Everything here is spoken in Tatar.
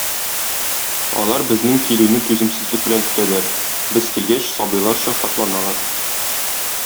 Алар безнең килүне түземсезлек белән көтәләр, без килгәч, сабыйларча шатланалар.